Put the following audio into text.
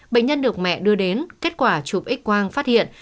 bệnh nhân được mẹ đưa đến kết quả chụp x quang phát hiện